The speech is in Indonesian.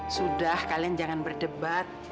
sudah kalian jangan berdebat